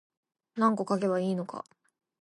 何個書けばいいのか